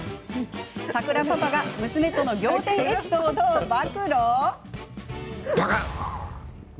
サクラパパが娘との仰天エピソードを暴露。